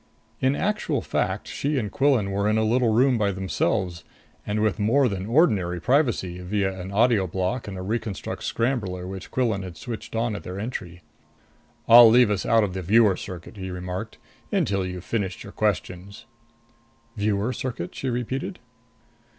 In actual fact she and Quillan were in a little room by themselves, and with more than ordinary privacy via an audio block and a reconstruct scrambler which Quillan had switched on at their entry. "I'll leave us out of the viewer circuit," he remarked, "until you've finished your questions." "Viewer circuit?" she repeated.